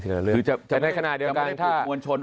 แต่ในขณะเดียวกันถ้า